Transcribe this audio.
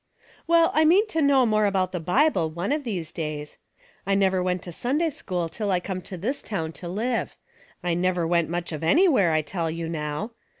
" Well, I mean to know more about the Bible one of these days. I never went to Sunday school till I come to this town to live. I never went much of anywhere, I tell you now